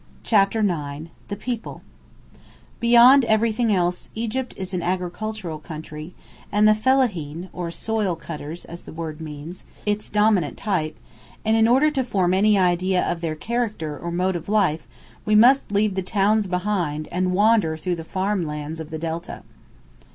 CHAPTER IX THE PEOPLE Beyond everything else Egypt is an agricultural country, and the "fellahīn," or "soil cutters," as the word means, its dominant type, and in order to form any idea of their character or mode of life, we must leave the towns behind and wander through the farm lands of the Delta.